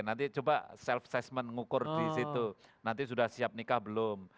nanti coba self assessment ngukur di situ nanti sudah siap nikah belum